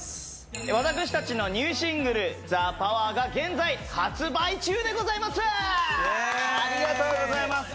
私たちのニューシングル「ＴＨＥＰＯＷＥＲ」が現在発売中でございますありがとうございます